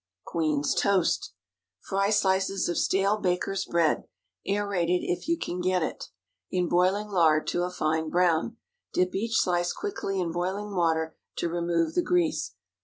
QUEEN'S TOAST. ✠ Fry slices of stale baker's bread—aërated, if you can get it—in boiling lard to a fine brown. Dip each slice quickly in boiling water to remove the grease.